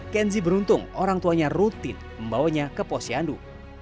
kenzi beruntung orang tuanya rutin membawanya ke posyandu